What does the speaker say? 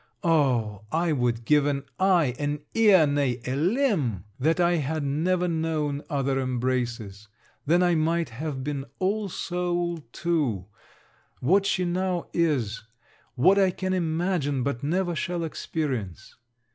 Oh, I would give an eye, an ear, nay a limb, that I had never known other embraces! Then I might have been all soul too: what she now is, what I can imagine but never shall experience.